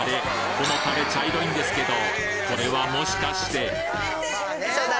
このタレ茶色いんですけどこれはもしかして？